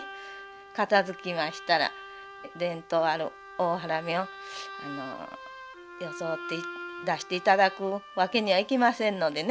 片づきましたら伝統ある大原女を装って出していただくわけにはいきませんのでね。